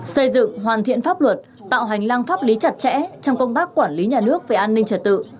xây dựng hoàn thiện pháp luật tạo hành lang pháp lý chặt chẽ trong công tác quản lý nhà nước về an ninh trật tự